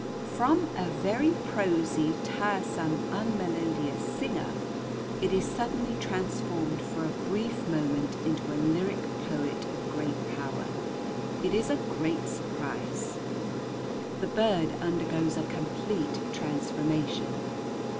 From a very prosy, tiresome, unmelodious singer, it is suddenly transformed for a brief moment into a lyric poet of great power. It is a great surprise. The bird undergoes a complete transformation.